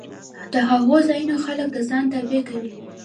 د هغو ځایونو خلک د ځان تابع کوي